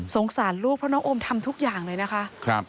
สารลูกเพราะน้องโอมทำทุกอย่างเลยนะคะ